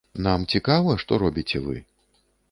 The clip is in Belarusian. Нам цікава, што робіце вы.